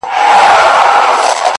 • د ژوند خوارۍ كي يك تنها پرېږدې،